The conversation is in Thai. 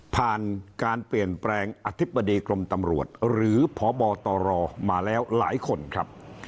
ผ่านการเปลี่ยนแปลงอธิบดีกรมตำรวจหรือพบตรมาแล้วหลายคนครับ